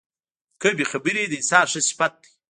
کمې خبرې، د انسان ښه صفت دی.